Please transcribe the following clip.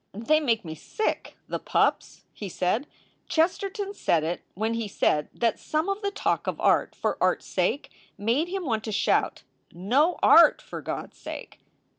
"They make me sick, the pups!" he said. "Chesterton said it when he said that some of the talk of art for art s sake made him want to shout, No art, for God s sake!